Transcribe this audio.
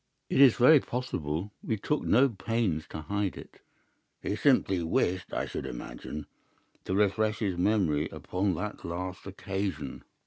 "'It is very possible. We took no pains to hide it.' "'He simply wished, I should imagine, to refresh his memory upon that last occasion.